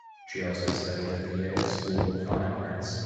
She also studied at the Yale School of Fine Arts.